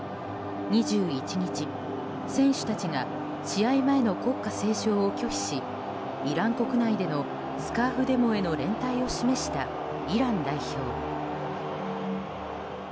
２１日、選手たちが試合前の国歌斉唱を拒否しイラン国内でのスカーフデモへの連帯を示したイラン代表。